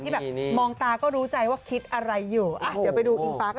ที่แบบมองตาก็รู้ใจว่าคิดอะไรอยู่